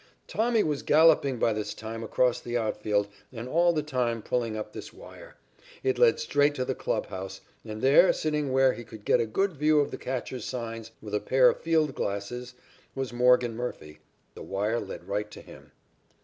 "Tommy was galloping by this time across the outfield and all the time pulling up this wire. It led straight to the clubhouse, and there sitting where he could get a good view of the catcher's signs with a pair of field glasses was Morgan Murphy. The wire led right to him.